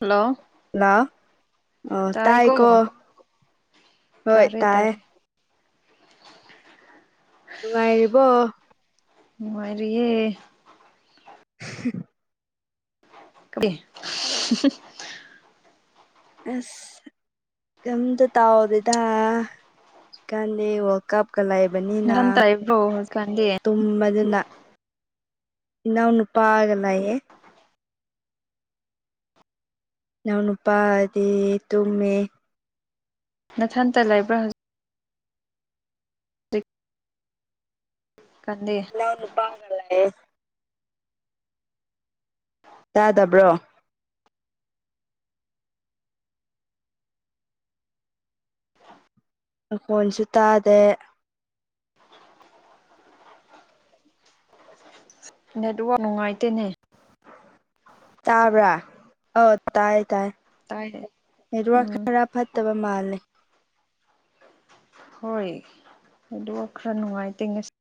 hello hello ꯑꯣ ꯇꯥꯏꯀꯣ ꯇꯥꯢꯀꯣ ꯍꯣꯢ ꯇꯥꯔꯦ ꯇꯥꯢꯌꯦ ꯇꯥꯔꯦ ꯅꯨꯡꯉꯥꯢꯔꯤꯕꯣ ꯅꯨꯉꯥꯏꯔꯤꯌꯦ [unintelligible] ꯑꯦ [unintelligible] ꯑꯁ ꯀꯩꯝꯇ ꯇꯥꯎꯗꯦꯗ ꯍꯧꯖꯤꯛꯀꯥꯟꯗꯤꯋꯥꯛ ꯀꯞꯀ ꯂꯩꯕꯅꯤꯅ ꯅꯊꯟꯇ ꯂꯩꯕ꯭ꯔꯣ ꯍꯧꯖꯤꯛꯀꯥꯟꯗꯤ ꯇꯨꯝꯕꯗꯨꯅ ꯏꯅꯥꯎ ꯅꯨꯄꯥꯒ ꯂꯩꯌꯦ ꯢꯅꯥꯎ ꯅꯨꯄꯥꯗꯤ ꯇꯨꯝꯃꯦ ꯅꯅꯥꯊꯟꯇ ꯂꯩꯕ꯭ꯔꯥ ꯍꯧ ꯀꯥꯟꯗꯤ ꯏꯅꯥꯎ ꯅꯨꯄꯥꯒ ꯂꯩꯌꯦ ꯇꯥꯗꯕ꯭ꯔꯣ ꯃꯈꯣꯟꯀꯣꯟꯁꯨ ꯇꯥꯗꯦ ꯅꯦꯠꯋꯥꯛ ꯅꯨꯡꯉꯥꯢꯇꯦꯅꯦ ꯇꯥꯕ꯭ꯔꯥ ꯑꯣ ꯇꯥꯢ ꯇꯥꯢ ꯇꯥꯏ ꯅꯦꯠꯋꯥꯛ ꯎꯝ ꯈꯔ ꯐꯠ ꯐꯠꯇꯕ ꯃꯥꯜꯂꯦ ꯍꯣꯢ ꯅꯦꯠꯋꯥꯛ ꯈꯔ ꯅꯨꯡꯉꯥꯢꯇꯦ ꯉꯁꯤ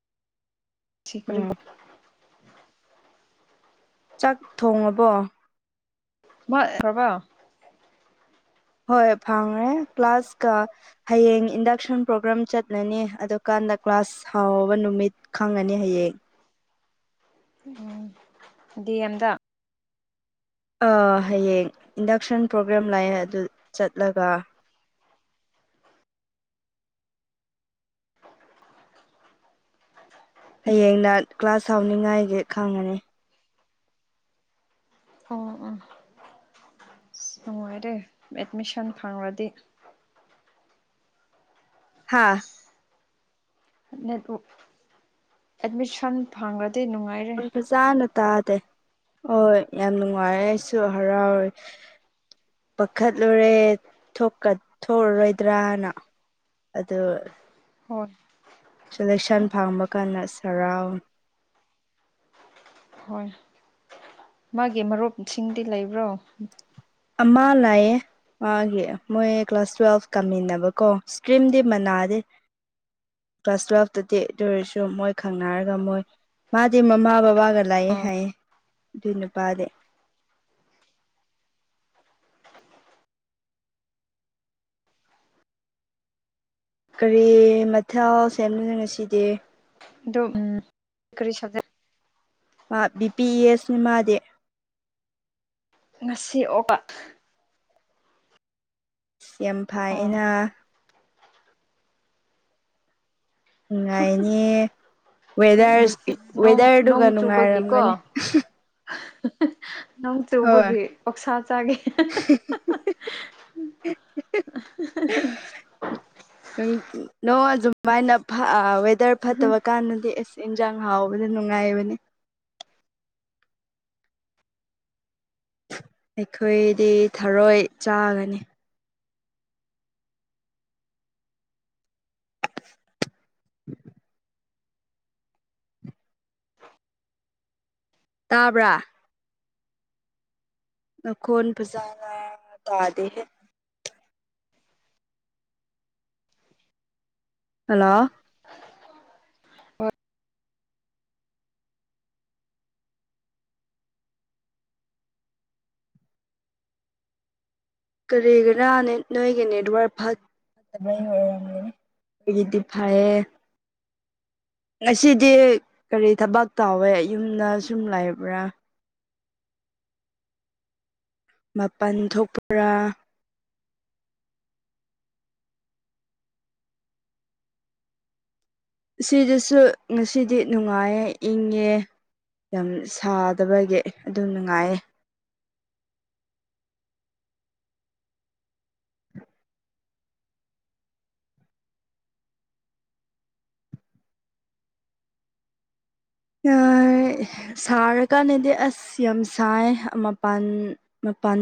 ꯎꯝ [inaudible] ꯆꯥꯛ ꯊꯣꯡꯉꯕꯣ ꯃꯣꯢ [inaudible] ꯍꯣꯢ ꯐꯪꯔꯦ ꯀ꯭ꯂꯥꯁꯀ ꯍꯌꯦꯡ ꯏꯟꯗꯛꯁꯟ ꯄ꯭ꯔꯣꯒ꯭ꯔꯥꯝ ꯆꯠꯂꯅꯤ ꯑꯗꯨꯀꯥꯟꯗ ꯀ꯭ꯂꯥꯁ ꯍꯥꯎꯕ ꯅꯨꯃꯤꯠ ꯈꯪꯉꯅꯤ ꯍꯌꯦꯡ ꯎꯝ ꯗꯤ ꯑꯦꯝꯗ ꯑꯥ ꯍꯌꯦꯡ ꯏꯟꯗꯛꯁꯟ ꯄ꯭ꯔꯣꯒ꯭ꯔꯥꯝ ꯂꯥꯛꯑꯦ ꯑꯗꯨ ꯆꯠꯂꯒ ꯍꯌꯦꯡꯅ ꯀ꯭ꯂꯥꯁ ꯍꯧꯅꯤꯡꯉꯥꯏꯒꯤ ꯈꯪꯉꯅꯤ ꯑꯣ ꯑꯣ ꯑꯁ ꯅꯨꯡꯉꯥꯏꯔꯦ ꯑꯦꯠꯃꯤꯁꯟ ꯐꯪꯔꯗꯤ ꯍꯥꯥ ꯅꯦꯠꯋꯥꯛ ꯑꯦꯗꯃꯤꯁꯟ ꯐꯪꯔꯗꯤ ꯅꯨꯡꯉꯥꯏ ꯌꯥꯝ ꯐꯖꯥꯅ ꯇꯥꯗꯦ ꯍꯣꯏ ꯌꯥꯝ ꯅꯨꯡꯉꯥꯏꯑꯦ ꯑꯩꯁꯨ ꯍꯔꯥꯎꯔꯦ ꯄꯥꯈꯠꯂꯨꯔꯦ ꯊꯣꯛꯀ-ꯊꯣꯛꯑꯔꯣꯏꯗ꯭ꯔꯥꯅ ꯑꯗꯨ ꯍꯣꯏ ꯁꯦꯂꯦꯛꯁꯟ ꯐꯪꯕ ꯀꯥꯟꯗ ꯁꯔꯥꯎ ꯍꯣꯏ ꯃꯥꯒꯤ ꯃꯔꯨꯞꯁꯤꯡꯗꯤ ꯂꯩꯕ꯭ꯔꯣ ꯑꯃ ꯂꯥꯏꯌꯦ ꯃꯥꯒꯤ ꯃꯣꯏ ꯀ꯭ꯂꯥꯁ ꯇ꯭ꯋꯦꯜꯐ ꯀꯥꯝꯃꯤꯟꯅꯕꯀꯣ ꯁꯇ꯭ꯔꯤꯝꯗꯤ ꯃꯅꯥꯗꯦ ꯀ꯭ꯂꯥꯁ ꯇ꯭ꯋꯦꯜꯐꯇꯗꯤ ꯑꯗꯨ ꯑꯣꯏꯔꯁꯨ ꯃꯣꯏ ꯈꯪꯅꯔꯒ ꯃꯣꯏ ꯃꯥꯗꯤ ꯃꯃꯥ ꯕꯕꯥꯒ ꯂꯩ ꯍꯥꯏꯌꯦ ꯑꯗꯨ ꯅꯨꯄꯥꯗꯤ ꯀꯔꯤ ꯃꯊꯦꯜ ꯁꯦꯝꯗꯨꯏꯅꯣ ꯉꯁꯤꯗꯤ ꯛꯗꯣ ꯎꯝ ꯀꯔꯤ ꯁꯥꯞꯖꯦꯛ ꯃꯥ ꯕꯤ ꯄꯤ ꯌꯦꯏꯅꯤ ꯃꯥꯗꯤ ꯉꯁꯤ ꯑꯣꯢꯕ ꯌꯥꯝ ꯑꯣ ꯐꯩꯌꯦꯅ ꯅꯨꯡꯉꯥꯏꯅꯦ ꯋꯦꯗꯥꯔꯁ ꯉꯁꯤ ꯅꯣꯡ ꯅꯣꯡ ꯋꯦꯗꯥꯔꯗꯨꯒ ꯆꯨꯕꯒꯤꯀꯣ ꯅꯨꯡꯉꯥꯏꯔꯝꯒꯅꯤ ꯅꯣꯡ ꯍꯣꯏ ꯆꯨꯕꯒꯤ ꯑꯣꯛꯁꯥ ꯆꯥꯒꯦ [unintelligible] ꯅꯪ ꯅꯣꯡ ꯑꯗꯨꯃꯥꯏꯅ ꯐꯥ ꯑ ꯋꯦꯗꯔ ꯐꯠꯇꯕ ꯀꯥꯟꯗꯗꯤ ꯏꯁ ꯏꯟꯖꯥꯡ ꯍꯥꯎꯕꯗꯤ ꯅꯨꯡꯉꯥꯏꯕꯅꯦ ꯑꯩꯈꯣꯏꯗꯤ ꯊꯔꯣꯏ ꯆꯥꯒꯅꯤ ꯇꯥꯕ꯭ꯔꯥ ꯅꯈꯣꯟ ꯐꯖꯥꯅ ꯇꯥꯗꯦ ꯍꯦ ꯍꯜꯂꯣ ꯀꯔꯤꯒꯤꯔ ꯅꯣꯏꯒꯤ ꯅꯦꯠꯋꯥꯛ ꯐꯠ [unintelligible] ꯑꯣꯏꯔꯝꯒꯅꯤ ꯑꯩꯒꯤꯗꯤ ꯐꯥꯌꯦ ꯉꯁꯤꯗꯤ ꯀꯔꯤ ꯊꯕꯛ ꯇꯧꯋꯦ ꯌꯨꯝꯗ ꯁꯨꯝ ꯂꯩꯕ꯭ꯔꯥ ꯃꯄꯟ ꯊꯣꯛꯄꯔꯥ ꯑꯁꯤꯗꯁꯨ ꯉꯁꯤꯗꯤ ꯅꯨꯡꯉꯥꯏꯌꯦ ꯏꯪꯉꯦ ꯌꯥꯝ ꯁꯥꯗꯕꯒꯤ ꯑꯗꯨꯝ ꯅꯨꯡꯉꯥꯏꯌꯦ [unintelligible] ꯁꯥꯔꯀꯥꯟꯗꯗꯤ ꯑꯁ ꯌꯥꯝ ꯁꯥꯏ ꯃꯄꯥꯟ ꯃꯄꯥꯟ